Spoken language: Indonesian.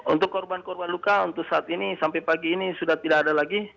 untuk korban korban luka untuk saat ini sampai pagi ini sudah tidak ada lagi